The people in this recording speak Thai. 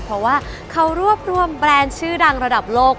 เพราะว่าเขารวบรวมแบรนด์ชื่อดังระดับโลก